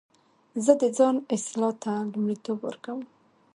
زه د ځان اصلاح ته لومړیتوب ورکوم.